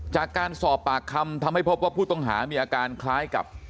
จากการสอบปากคำทำให้พบว่าผู้ต้องหามีอาการคล้ายกับ